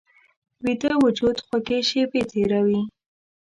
ویده وجود خوږې شیبې تېروي